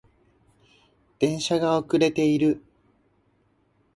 電車が遅れている